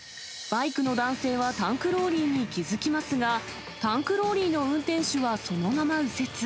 バイクの男性は、タンクローリーに気付きますが、タンクローリーの運転手はそのまま右折。